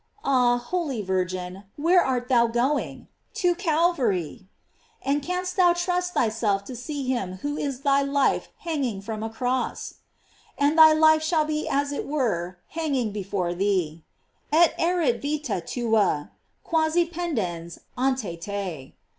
Ah, holy Virgin, where art thou going? To Cal vary ! And canst thou trust thyself to see him who is thy life hanging from a cross? And thy life shall be as it were hanging before thee: "Et erit vita tua quasi pendens ante te."